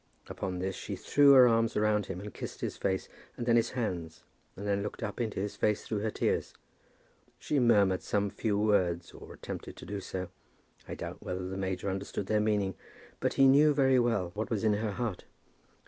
Upon this she threw her arms around him, and kissed his face, and then his hands, and then looked up into his face through her tears. She murmured some few words, or attempted to do so. I doubt whether the major understood their meaning, but he knew very well what was in her heart.